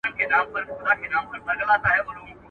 انسان د پديدو نسبت ارباب ته ورکوي.